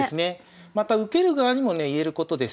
また受ける側にもねいえることです。